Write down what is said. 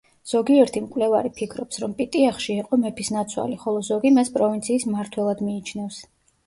ზოგიერთი მკვლევარი ფიქრობს, რომ პიტიახში იყო მეფისნაცვალი, ხოლო ზოგი მას პროვინციის მმართველად მიიჩნევს.